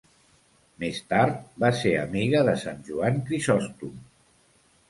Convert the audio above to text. Més tard va ser amiga de Sant Joan Crisòstom.